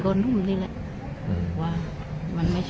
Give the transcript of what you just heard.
ก็นุ่มนี่แหละว่ามันเปลี่ยน